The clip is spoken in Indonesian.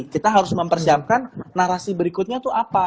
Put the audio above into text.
kita harus mempersiapkan narasi berikutnya itu apa